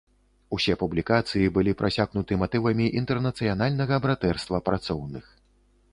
Усе публікацыі былі прасякнуты матывамі інтэрнацыянальнага братэрства працоўных.